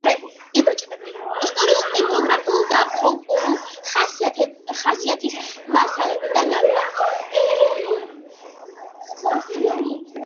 კრებულში იბეჭდებოდა ისტორიულ-ეთნოგრაფიული და ფოლკლორული ხასიათის მასალები და ნარკვევები.